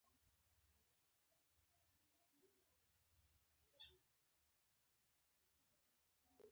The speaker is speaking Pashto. ګاز د افغان ځوانانو لپاره دلچسپي لري.